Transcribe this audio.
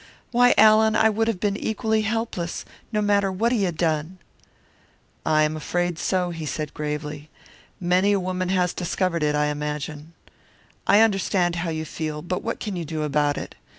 Why, Allan, I would have been equally helpless no matter what he had done!" "I am afraid so," said he, gravely. "Many a woman has discovered it, I imagine. I understand how you feel, but what can you do about it?